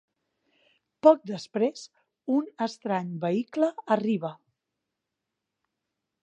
Poc després, un estrany vehicle arriba.